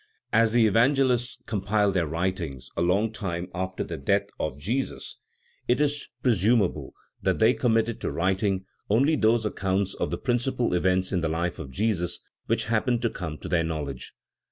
As the Evangelists compiled their writings a long time after the death of Jesus, it is presumable that they committed to writing only those accounts of the principal events in the life of Jesus which happened to come to their knowledge.